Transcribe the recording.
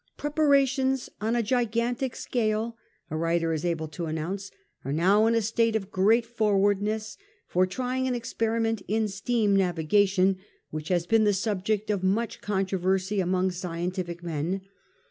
' Preparations on a gigantic scale,' a writer is able to announce, 'are now in a state of great forwardness for trying an experiment in steam navigation which has been the subject of much controversy among scientific men.